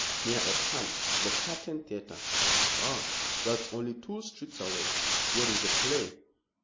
"Near at hand. The Curtain Theatre." "Ah! That's only two streets away. What is the play?"